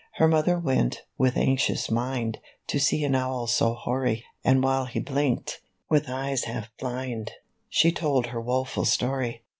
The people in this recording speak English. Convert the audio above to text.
Her Mother went, with anxious mind, To see an Owl so hoary, And while he blinked, with eyes half blind, She told her woful story.